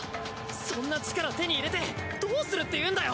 そんな力手に入れてどうするっていうんだよ。